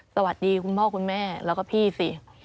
สวัสดีคุณพ่อคุณแม่แล้วก็พี่สิ